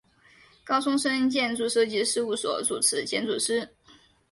高松伸建筑设计事务所主持建筑师。